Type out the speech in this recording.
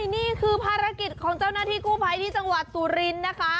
นี่คือภารกิจของเจ้าหน้าที่กู้ภัยที่จังหวัดสุรินทร์นะคะ